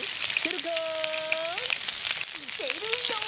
してるよ！